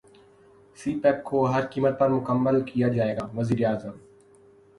سی pack کو ہر قیمت پر مکمل کیا جائے گا وزیراعظم